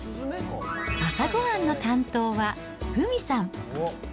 朝ごはんの担当はふみさん。